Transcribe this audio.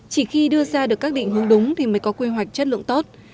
chỉ khi đưa ra được các định hướng đúng thì mới có quy hoạch chất lượng tốt